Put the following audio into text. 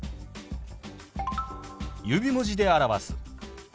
指文字で表す。